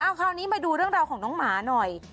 คราวนี้มาดูเรื่องราวของน้องหมาหน่อย